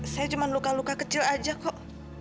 saya cuma luka luka kecil aja kok